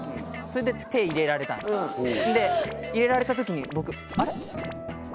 それで手入れられたんですで入れられた時に僕。